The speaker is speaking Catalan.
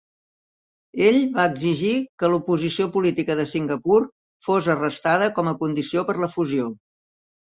Ell va exigir que l'oposició política de Singapur fos arrestada com a condició per la fusió.